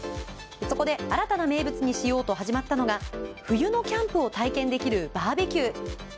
そこで、新たな名物にしようと始まったのが冬のキャンプを体験できるバーベキュー。